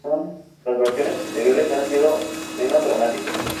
Las versiones posteriores han sido menos dramáticas.